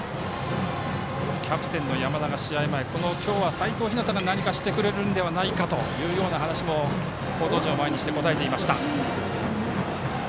キャプテンの山田が試合前今日は齋藤陽が何かしてくれるのではないかという話を報道陣を前に答えていました。